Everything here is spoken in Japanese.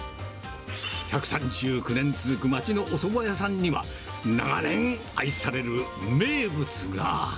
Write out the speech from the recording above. １３９年続く街のおそば屋さんには、長年愛される名物が。